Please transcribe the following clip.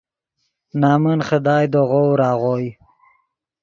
نے نمن خدائے دے غور آغوئے